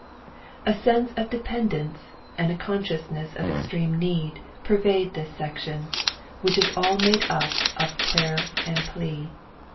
A sense of dependence and a consciousness of extreme need pervade this section, which is all made up of prayer and plea.